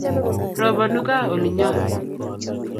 Robonu gaa olinyo